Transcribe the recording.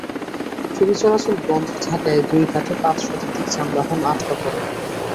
ফেরি চলাচল বন্ধ থাকায় দুই ঘাটে পাঁচ শতাধিক যানবাহন আটকা পড়ে।